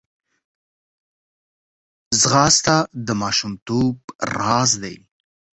ځغاسته د ماشومتوب راز دی